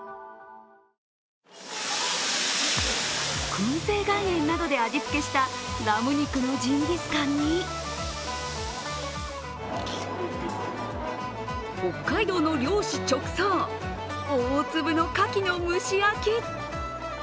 くん製岩塩などで味付けしたラム肉のジンギスカンに北海道の漁師直送、大粒のかきの蒸し焼き。